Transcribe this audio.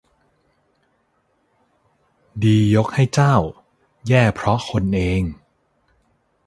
ดียกให้เจ้า แย่เพราะคนเอง